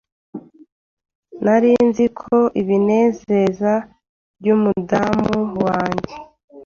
Nari nzi ko ibinezeza byumudamu wanjye